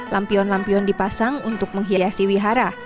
lampion lampion dipasang untuk menghiasi wihara